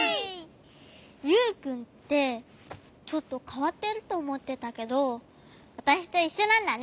ユウくんってちょっとかわってるとおもってたけどわたしといっしょなんだね。